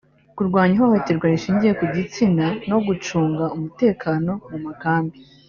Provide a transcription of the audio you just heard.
kurwanya ihohotera rishingiye ku gitsina no gucunga umutekano mu makambi